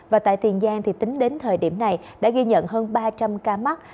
và tại tiền giang tính đến thời điểm này đã ghi nhận hơn ba trăm linh ca mắc